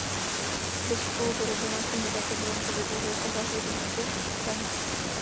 Desku vyrobenou z imitace bronzu vytvořil sochař Jiří Fuchs z Prahy.